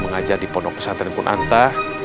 mengajar di pondok pesantren kunanta